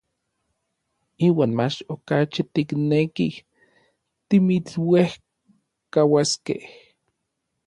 Iuan mach okachi tiknekij timitsuejkauaskej.